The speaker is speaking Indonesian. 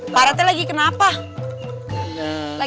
parah lagi kenapa dengan lah